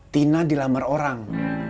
tina dilamar orang